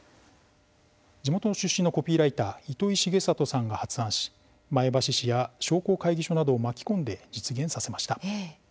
地元出身のコピーライター糸井重里さんが発案し前橋市や商工会議所などを巻き込んで実現させました。